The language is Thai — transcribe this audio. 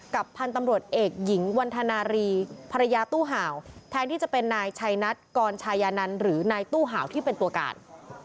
พันธุ์ตำรวจเอกหญิงวันธนารีภรรยาตู้เห่าแทนที่จะเป็นนายชัยนัทกรชายานันหรือนายตู้เห่าที่เป็นตัวการ